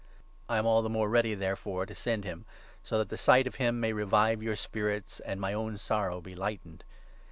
I am all the more ready, there 28 fore, to send him, so that the sight of him may revive your spirits and my own sorrow be lightened.